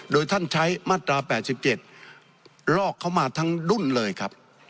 โดยท่านใช้มาตรา๘๗ลอกเขามาทั้งรุ่นเลยครับ